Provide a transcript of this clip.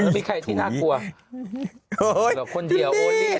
มีใครที่น่ากลัว